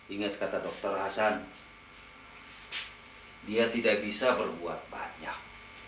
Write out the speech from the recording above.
ingat kata dokter hasan dia tidak bisa berbuat banyak